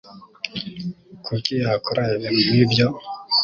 Kuki yakora ibintu nkibyo?